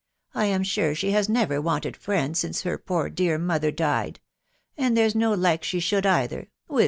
... I Am sure she has. never wanted friends since .her poor dear mother .died ; and there's no like she should either, with